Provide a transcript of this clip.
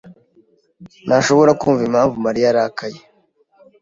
ntashobora kumva impamvu Mariya arakaye.